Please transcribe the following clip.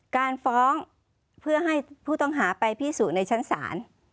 การฟ้องเพื่อให้ผู้ต้องหาไปพิสูจน์ในชั้นศาล